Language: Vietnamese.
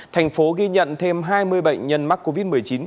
thành phố ghi nhận thêm hai mươi bệnh nhân mắc covid một mươi chín